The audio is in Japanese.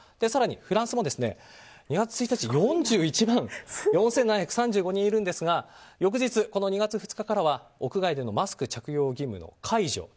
更にフランスも２月１日、４１万４７３５人いるんですが翌日２月２日には屋外でのマスク着用義務を解除。